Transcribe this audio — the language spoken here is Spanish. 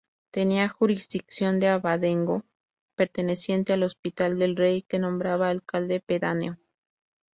Tenía jurisdicción de abadengo, perteneciente al Hospital del Rey que nombraba alcalde pedáneo.